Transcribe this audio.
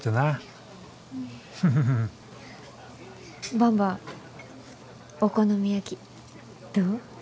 ばんばお好み焼きどう？